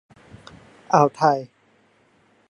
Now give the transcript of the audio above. อ่าวไทย